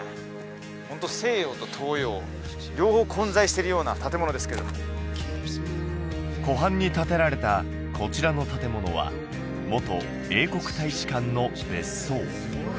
ホント西洋と東洋両方混在してるような建物ですけれども湖畔に建てられたこちらの建物は元英国大使館の別荘